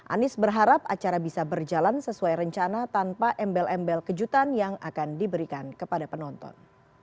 anies berharap acara bisa berjalan sesuai rencana tanpa embel embel kejutan yang akan diberikan kepada penonton